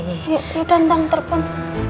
yaudah entar minta telepon